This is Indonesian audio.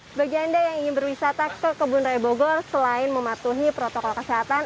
bagi anda yang ingin berwisata ke kebun raya bogor selain mematuhi protokol kesehatan